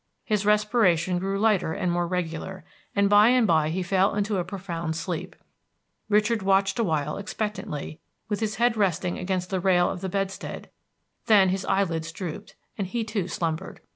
His respiration grew lighter and more regular, and by and by he fell into a profound sleep. Richard watched awhile expectantly, with his head resting against the rail of the bedstead; then his eyelids drooped, and he too slumbered.